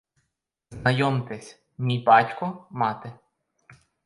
Знайомтесь — мій батько, мати.